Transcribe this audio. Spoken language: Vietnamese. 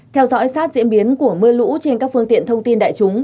theo dõi sát diễn biến của mưa lũ trên các phương tiện thông tin đại chúng